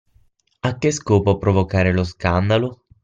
A che scopo provocare lo scandalo?